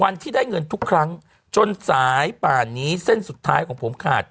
วันที่ได้เงินทุกครั้งจนสายป่านนี้เส้นสุดท้ายของผมขาด